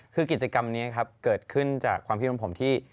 คือกิจกรรมนี้ครับเกิดขึ้นจากความคิดของผมที่